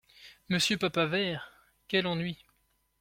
Monsieur Papavert ! quel ennui !